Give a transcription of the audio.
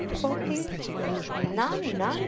quoth he. "None, none!"